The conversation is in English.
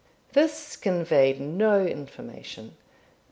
This conveyed no information.